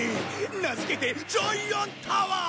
名付けてジャイアンタワー！